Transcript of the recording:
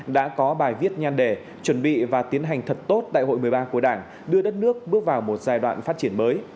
đã có bài viết nhan đề chuẩn bị và tiến hành thật tốt đại hội một mươi ba của đảng đưa đất nước bước vào một giai đoạn phát triển mới